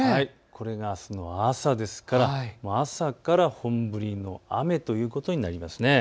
これがあすの朝ですから朝から本降りの雨ということになりそうです。